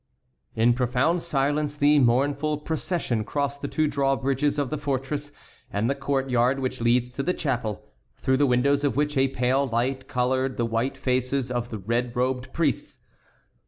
In profound silence the mournful procession crossed the two drawbridges of the fortress and the courtyard which leads to the chapel, through the windows of which a pale light colored the white faces of the red robed priests.